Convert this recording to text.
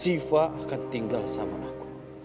sifah akan tetap tinggal sama aku